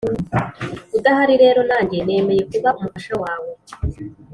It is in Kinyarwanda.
udahari rero nanjye nemeye kuba umufasha wawe